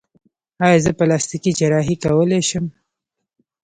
ایا زه پلاستیکي جراحي کولی شم؟